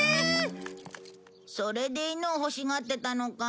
それで犬を欲しがってたのか。